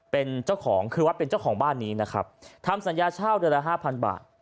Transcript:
เป็นเจ้าของคือวัดเป็นเจ้าของบ้านนี้นะครับทำสัญญาเช่าเดือนละห้าพันบาท